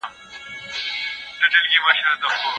هره مفکوره خپلې ګټي لري.